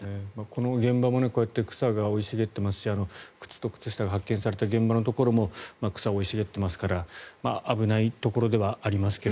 この現場もこうやって草が生い茂っていますし靴と靴下が発見された現場のところも草が生い茂っていますから危ないところではありますが。